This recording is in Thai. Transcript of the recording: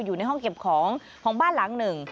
อยู่ในห้องเก็บของของบ้านหลังหนึ่ง